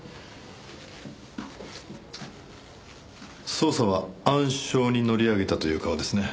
捜査は暗礁に乗り上げたという顔ですね。